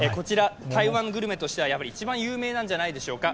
台湾グルメとしては一番有名なんじゃないでしょうか。